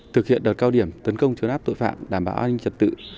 thực hiện đợt cao điểm tấn công chứa nắp tội phạm đảm bảo an ninh trật tự